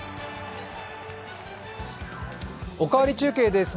「おかわり中継」です。